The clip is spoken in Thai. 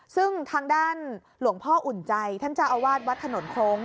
ซึ่งทางด้านหลวงพ่ออุ่นใจท่านเจ้าอาวาสวัดถนนโครง